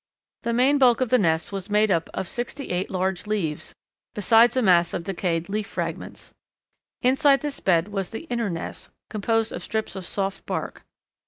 The main bulk of the nest was made up of sixty eight large leaves, besides a mass of decayed leaf fragments. Inside this bed was the inner nest, composed of strips of soft bark.